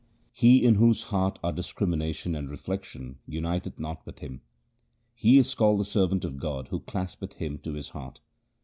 He in whose heart are discrimination and reflection uniteth not with him. He is called the servant of God who claspeth Him to his heart.